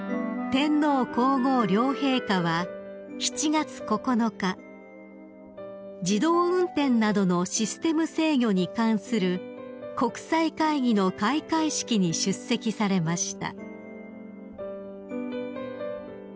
［天皇皇后両陛下は７月９日自動運転などのシステム制御に関する国際会議の開会式に出席されました］